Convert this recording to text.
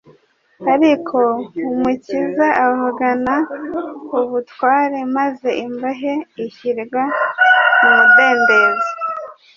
Ariko Umukiza avugana ubutware, maze imbohe ishyirwa mu mudendezo.